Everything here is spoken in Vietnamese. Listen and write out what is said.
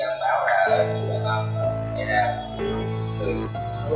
anh không biết